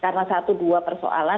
karena satu dua persoalan